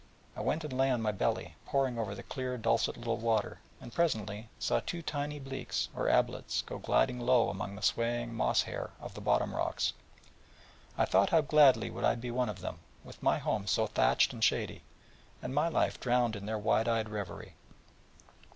I went and lay on my belly, poring over the clear dulcet little water, and presently saw two tiny bleaks, or ablets, go gliding low among the swaying moss hair of the bottom rocks, and thought how gladly would I be one of them, with my home so thatched and shady, and my life drowned in their wide eyed reverie.